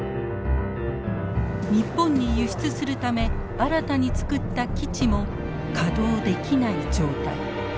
日本に輸出するため新たに造った基地も稼働できない状態。